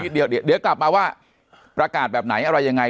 เดี๋ยวกลับมาว่าประกาศแบบไหนอะไรยังไง